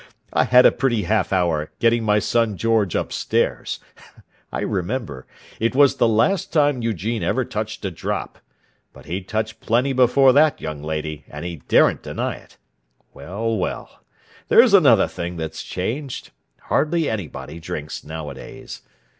I had a pretty half hour getting my son George upstairs. I remember! It was the last time Eugene ever touched a drop—but he'd touched plenty before that, young lady, and he daren't deny it! Well, well; there's another thing that's changed: hardly anybody drinks nowadays.